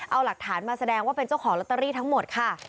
เอาหลักฐานมาแสดงว่าเป็นเจ้าของลอตเตอรี่ทั้งหมดค่ะ